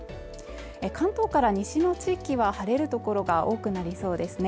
関東から西の地域は晴れる所が多くなりそうですね